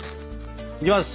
いきます！